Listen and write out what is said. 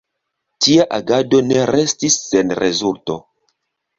Tia agado ne restis sen rezulto.